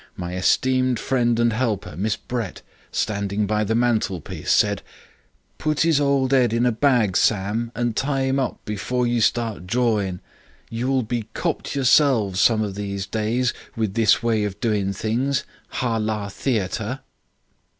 My esteemed friend and helper, Miss Brett, standing by the mantelpiece, said: 'Put 'is old 'ead in a bag, Sam, and tie 'im up before you start jawin'. You'll be kopt yourselves some o' these days with this way of doin' things, har lar theater.'